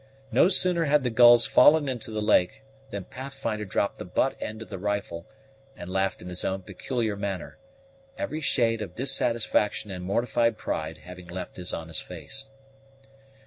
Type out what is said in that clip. No sooner had the gulls fallen into the lake, than Pathfinder dropped the butt end of the rifle, and laughed in his own peculiar manner, every shade of dissatisfaction and mortified pride having left his honest face.